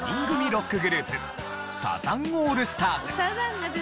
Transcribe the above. ロックグループサザンオールスターズ。